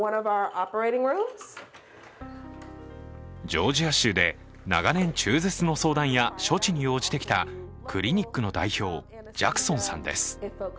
ジョージア州で長年、中絶の相談や処置に応じてきた、クリニックの代表、ジャクソンさんです。